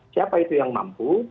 siapa itu yang mampu